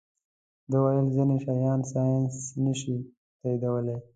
ده ویل ځینې شیان ساینس نه شي تائیدولی.